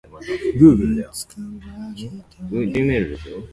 Sixteen teams played in the group stage.